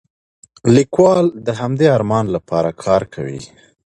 لیکوال د همدې ارمان لپاره کار کوي.